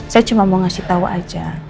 saya cuma mau ngasih tahu aja